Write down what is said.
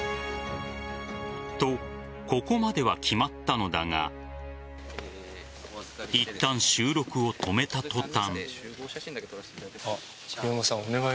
と、ここまでは決まったのだがいったん、収録を止めた途端。